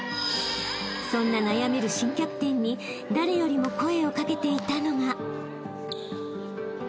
［そんな悩める新キャプテンに誰よりも声を掛けていたのが］